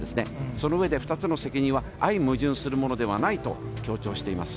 その上で、２つの責任は相矛盾するものではないと強調しています。